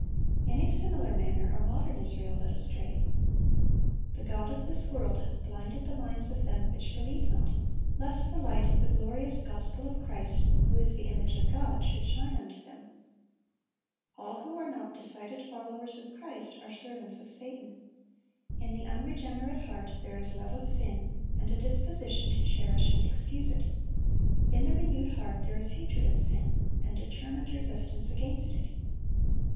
In a similar manner are modern Israel led astray. "The god of this world hath blinded the minds of them which believe not, lest the light of the glorious gospel of Christ, who is the image of God, should shine unto them."(893) All who are not decided followers of Christ are servants of Satan. In the unregenerate heart there is love of sin, and a disposition to cherish and excuse it. In the renewed heart there is hatred of sin, and determined resistance against it.